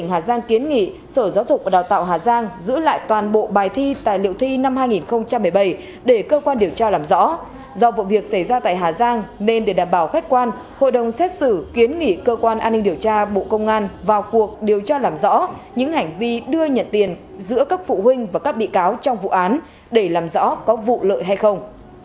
hà giang kiến nghị sở giáo dục và đào tạo hà giang giữ lại toàn bộ bài thi tài liệu thi năm hai nghìn một mươi bảy để cơ quan điều tra làm rõ do vụ việc xảy ra tại hà giang nên để đảm bảo khách quan hội đồng xét xử kiến nghị cơ quan an ninh điều tra bộ công an vào cuộc điều tra làm rõ những hành vi đưa nhận tiền giữa các phụ huynh và các bị cáo trong vụ án để làm rõ có vụ lợi hay không